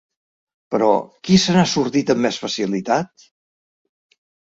Però, qui se n’ha sortit amb més facilitat?